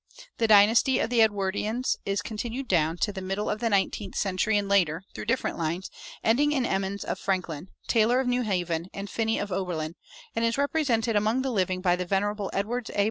The dynasty of the Edwardeans is continued down to the middle of the nineteenth century, and later, through different lines, ending in Emmons of Franklin, Taylor of New Haven, and Finney of Oberlin, and is represented among the living by the venerable Edwards A.